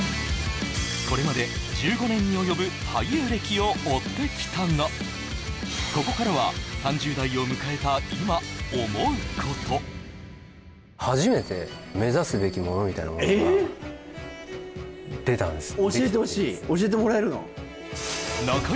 これまで１５年におよぶ俳優歴を追ってきたがここからは３０代を迎えた今思うこと出たんですよねありますか？